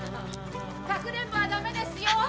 かくれんぼはダメですよ！